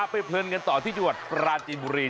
เพลินกันต่อที่จังหวัดปราจีนบุรี